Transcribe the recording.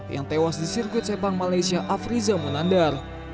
yang tewas di sirkuit sepang malaysia afriza munandar